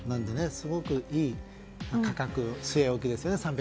すごくいい価格の据え置きですよね。